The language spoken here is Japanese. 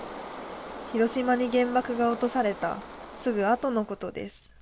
広島に原爆が落とされたすぐ後のことです。